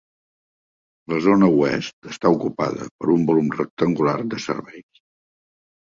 La zona oest està ocupada per un volum rectangular de serveis.